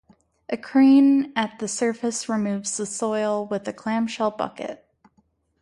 A crane at the surface removes the soil with a clamshell bucket.